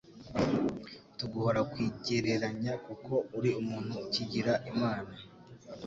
tuguhora kwigereranya, kuko uri umuntu ukigira Imana."»